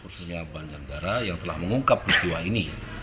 khususnya banjar negara yang telah mengungkap peristiwa ini